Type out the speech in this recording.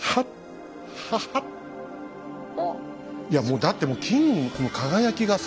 いやもうだってもう金の輝きがさ。